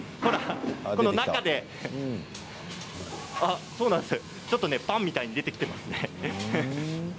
この中でちょっと、パンみたいに出てきていますね。